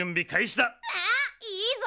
わあいいぞ！